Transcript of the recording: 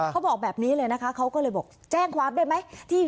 เขาบอกแบบนี้เลยนะคะเขาก็เลยบอกแจ้งความได้ไหม